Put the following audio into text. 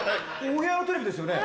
お部屋のテレビですよね？